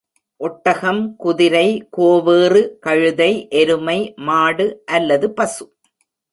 ஒட்டகம், குதிரை, கோவேறு கழுதை, எருமை, மாடு அல்லது பசு